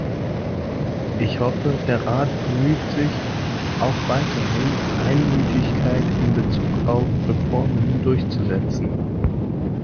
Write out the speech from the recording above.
Ich hoffe, der Rat bemüht sich auch weiterhin, Einmütigkeit in bezug auf Reformen durchzusetzen.